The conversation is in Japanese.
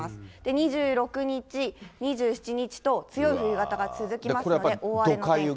２６日、２７日と強い冬型が続きますので、大荒れの天気。